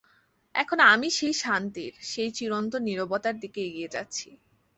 এখন আমি সেই শান্তির সেই চিরন্তন নীরবতার দিকে এগিয়ে যাচ্ছি।